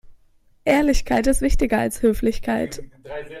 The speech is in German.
Ehrlichkeit ist wichtiger als Höflichkeit.